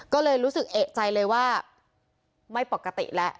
ก็เลยรู้สึกเอกใจเลยว่าไม่ปกติแล้ว